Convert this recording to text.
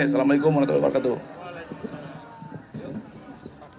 assalamu'alaikum warahmatullahi wabarakatuh